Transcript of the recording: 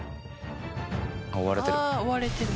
追われてる。